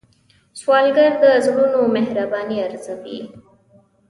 سوالګر د زړونو مهرباني ارزوي